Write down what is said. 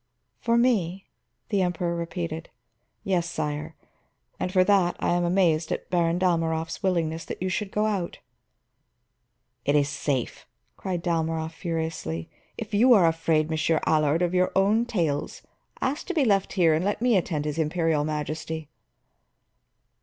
"For me?" the Emperor repeated. "Yes, sire. And for that I am amazed at Baron Dalmorov's willingness that you should go out." "It is safe," cried Dalmorov furiously. "If you are afraid, Monsieur Allard, of your own tales, ask to be left here and let me attend his Imperial Majesty."